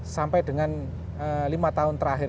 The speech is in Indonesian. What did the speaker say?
sampai dengan lima tahun terakhir